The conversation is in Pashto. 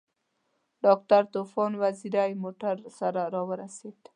ډاکټر طوفان وزیری موټر سره راورسېد.